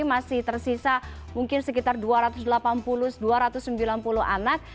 masih tersisa mungkin sekitar dua ratus delapan puluh dua ratus sembilan puluh anak